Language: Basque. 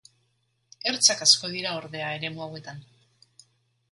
Ertzak asko dira, ordea, eremu hauetan.